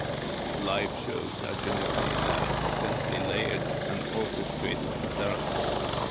Live shows are generally loud, densely layered and orchestrated guitar assaults.